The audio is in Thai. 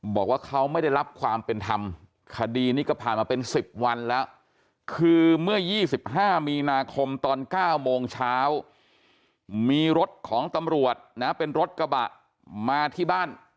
บอกว่าเขาไม่ได้รับความเป็นธรรมคดีนี้ก็ผ่านมาเป็น๑๐วันแล้วคือเมื่อ๒๕มีนาคมตอน๙โมงเช้ามีรถของตำรวจนะเป็นรถกระบะมาที่บ้าน